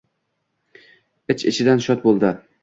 Ich-ichidan shod bo‘ldi.